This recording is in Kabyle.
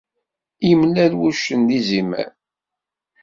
Yemlal wuccen d izimer.